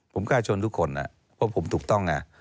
ผมกล้าชนทุกคนเพราะผมถูกต้องไง